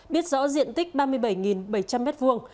biết rõ diện tích ba mươi bảy triệu tấn quạng